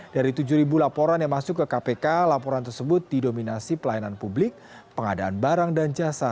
dari tujuh laporan yang masuk ke kpk laporan tersebut didominasi pelayanan publik pengadaan barang dan jasa